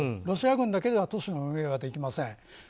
ロシア軍だけでは都市の運営はできません。